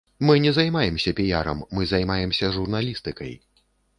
Мы не займаемся піярам, мы займаемся журналістыкай.